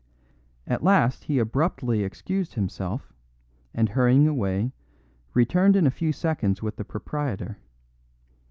At last he abruptly excused himself, and hurrying away, returned in a few seconds with the proprietor.